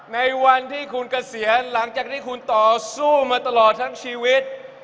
ในวันที่คุณเกษียณหลังจากที่คุณต่อสู้มาตลอดทั้งชีวิต